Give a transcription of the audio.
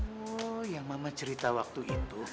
oh yang mama cerita waktu itu